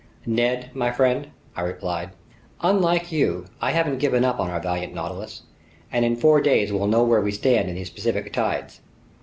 "Ned my friend," I replied, "unlike you, I haven't given up on our valiant Nautilus, and in four days we'll know where we stand on these Pacific tides.